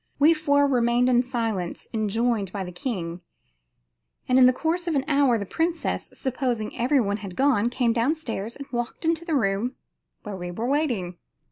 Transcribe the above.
We four remained in silence, enjoined by the king, and in the course of an hour, the princess, supposing every one had gone, came down stairs and walked into the room where we were waiting.